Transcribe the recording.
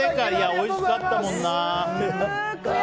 おいしかったもんな。